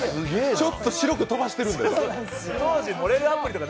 ちょっと白く飛ばしてるんですか？